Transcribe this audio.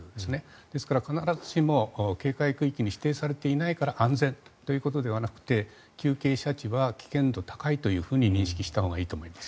ですから必ずしも警戒区域に指定されていないから安全ということではなくて急傾斜地は危険度が高いと認識したほうがいいと思います。